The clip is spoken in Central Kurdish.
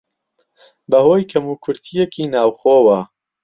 بەهۆی کەموکورتییەکی ناوخۆوە